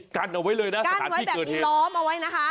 กั้นเอาไว้เลยนะสถานที่เกิดเห็น